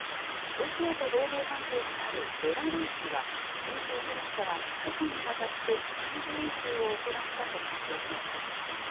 ロシアと同盟関係にあるベラルーシは、２９日から２日間にわたって、軍事演習を行ったと発表しました。